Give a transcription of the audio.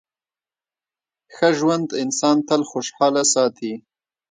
ښه ژوند انسان تل خوشحاله ساتي.